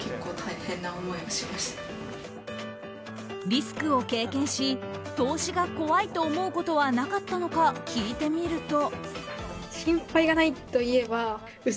リスクを経験し投資が怖いと思うことはなかったのか聞いてみると。